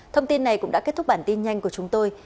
thông tin này cũng đã kết thúc bản tin nhanh của chúng tôi